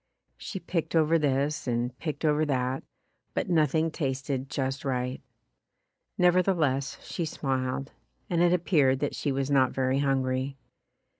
She picked over this and picked over that, but nothing tasted just right. Never theless she smiled, and it appeared that she was not very hungry.